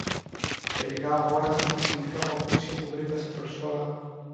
Τελικά αγόρασα τα αθλητικά παπούτσια που βρήκα σε προσφορά.